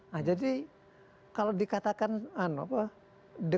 nah jadi kalau dikatakan decolonisasi itu tidak